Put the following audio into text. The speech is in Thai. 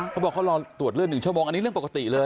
เขาบอกเขารอตรวจเลือด๑ชั่วโมงอันนี้เรื่องปกติเลย